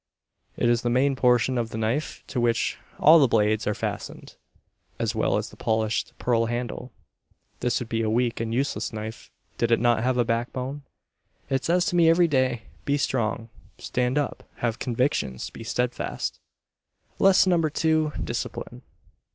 It is the main portion of the knife to which all the blades are fastened, as well as the polished pearl handle. This would be a weak and useless knife did it not have a backbone. It says to me every day "Be strong, stand up, have convictions, be steadfast." Lesson number two, Discipline.